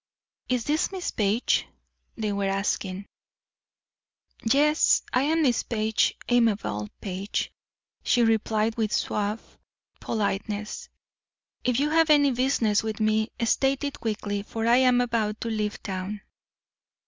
"Is this Miss Page?" they were asking. "Yes, I am Miss Page Amabel Page" she replied with suave politeness. "If you have any business with me, state it quickly, for I am about to leave town."